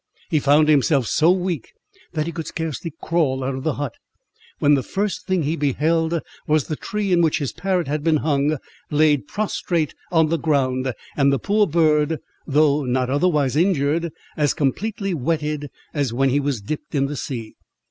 He found himself so weak, that he could scarcely crawl out of the hut, when the first thing he beheld was the tree in which his parrot had been hung, laid prostrate on the ground, and the poor bird, though not otherwise injured, as completely wetted as when he was dipped in the sea.